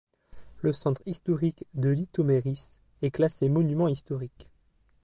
Le centre historique de Litoměřice est classé monument historique.